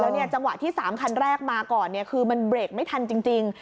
จังหวะที่๓คันแรกมาก่อนคือมันเบรกไม่ทันจริง